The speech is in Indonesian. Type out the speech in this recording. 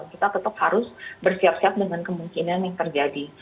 kita tetap harus bersiap siap dengan kemungkinan yang terjadi